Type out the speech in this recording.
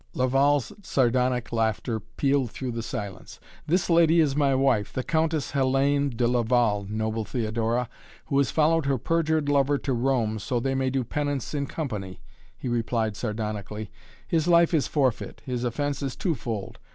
Laval's sardonic laughter pealed through the silence. "This lady is my wife, the Countess Hellayne de Laval, noble Theodora, who has followed her perjured lover to Rome, so they may do penance in company," he replied sardonically. "His life is forfeit. His offence is two fold.